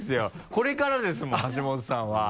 これからですもん橋本さんは。